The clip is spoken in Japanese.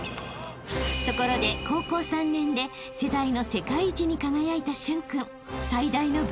［ところで高校３年で世代の世界一に輝いた］